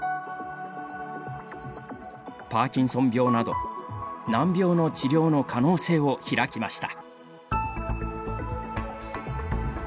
パーキンソン病など難病の治療の可能性を開きました。